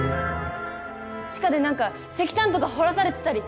地下でなんか石炭とか掘らされてたり。